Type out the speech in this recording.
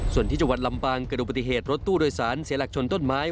ส่วนที่จังหวัดลำปางเกิดดูปฏิเหตุรถตู้โดยสารเสียหลักชนต้นไม้